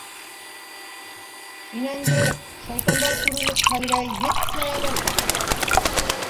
«Инәңде... шайтандар күрерлек хәлгә етсе әле».